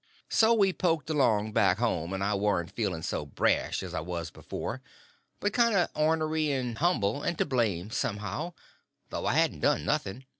So we poked along back home, and I warn't feeling so brash as I was before, but kind of ornery, and humble, and to blame, somehow—though I hadn't done nothing.